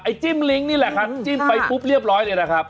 จิ้มลิ้งนี่แหละครับจิ้มไปปุ๊บเรียบร้อยเลยนะครับ